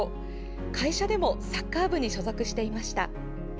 会社でもサッカー部に所属していました。